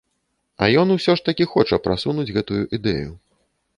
А ён усё ж такі хоча прасунуць гэтую ідэю.